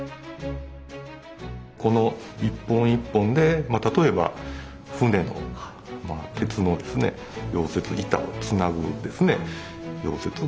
この一本一本で例えば船の鉄の溶接板をつなぐ溶接ができるという。